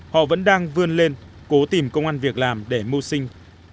họ vẫn đang vươn lên cố tìm công an việc làm để mưu sinh